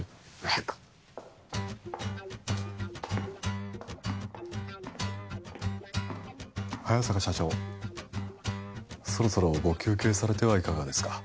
早く早坂社長そろそろご休憩されてはいかがですか？